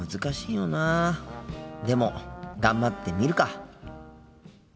でも頑張ってみるか。